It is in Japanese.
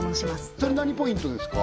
それ何ポイントですか？